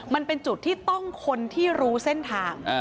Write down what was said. มันเป็นจุดที่ต้องคนที่รู้เส้นทาง